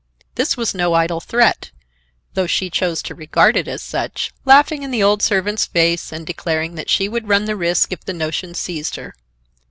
This was no idle threat, though she chose to regard it as such, laughing in the old servant's face and declaring that she would run the risk if the notion seized her.